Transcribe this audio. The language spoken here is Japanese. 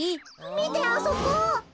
みてあそこ。